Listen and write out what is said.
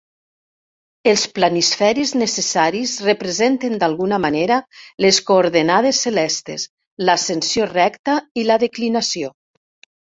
Els planisferis necessaris representen d'alguna manera les coordenades celestes: l'ascensió recta i la declinació.